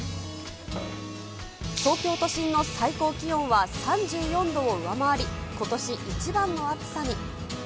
東京都心の最高気温は、３４度を上回り、ことし一番の暑さに。